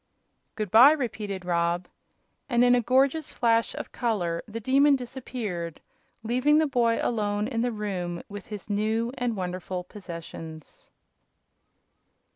"Good by!" repeated Rob, and in a gorgeous flash of color the Demon disappeared, leaving the boy alone in the room with his new and wonderful possessions.